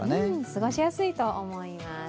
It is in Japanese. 過ごしやすいと思います。